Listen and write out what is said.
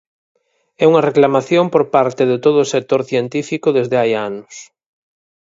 É unha reclamación por parte de todo o sector científico desde hai anos.